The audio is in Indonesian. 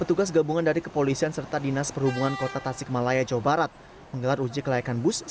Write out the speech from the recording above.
petugas gabungan dari kepolisian serta dinas perhubungan kota tasik malaya jawa barat menggelar uji kelayakan bus